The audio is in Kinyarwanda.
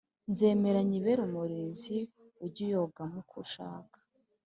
nzemera nyibere umurinzi ujye uyogamo uko ushaka